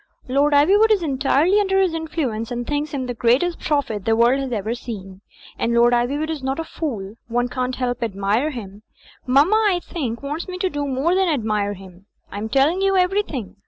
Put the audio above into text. Lord Ivywood is entirely under his influence and thinks him the greatest prophet the world has ever seen. And Lord Ivywood is not a fool; one can't help admirJ% him. Mamma, I think, wants me to do more than admire him. I am telling you everything.